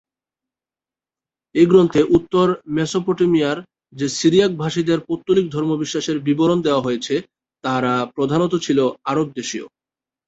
এই গ্রন্থে উত্তর মেসোপটেমিয়ার যে সিরিয়াক-ভাষীদের পৌত্তলিক ধর্মবিশ্বাসের বিবরণ দেওয়া হয়েছে তারা প্রধানত ছিল আরবদেশীয়।